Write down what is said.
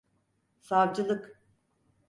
Savcılık.